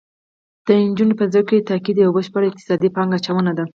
د نجونو په زده کړه تاکید یو بشپړ اقتصادي پانګه اچونه ده